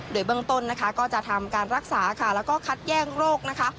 โดยเบื้องต้นนะคะก็จะทำการรักษาค่ะแล้วก็คัดแย่งโรคนะคะ